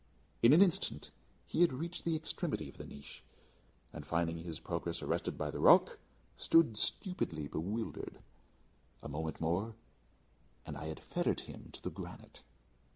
In an instant he had reached the extremity of the niche, and finding his progress arrested by the rock, stood stupidly bewildered. A moment more and I had fettered him to the granite.